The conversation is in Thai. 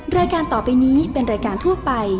รายการต่อไปนี้เป็นรายการทั่วไป